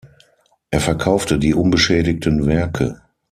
Er verkaufte die unbeschädigten Werke.